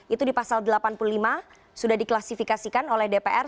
itu di pasal delapan puluh lima sudah diklasifikasikan oleh dpr